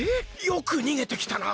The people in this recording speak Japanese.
よくにげてきたな。